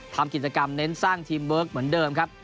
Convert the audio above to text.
ทำกิจกรรมเน้นสร้างทีมเวิร์คเหมือนเดิมครับ